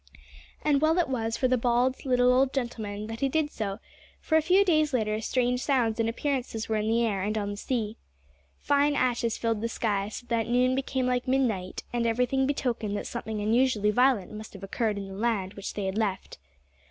And well was it for the bald little old gentleman that he did so, for, a few days later, strange sounds and appearances were in the air and on the sea. Fine ashes filled the sky, so that noon became like midnight, and everything betokened that something unusually violent must have occurred in the land which they had left.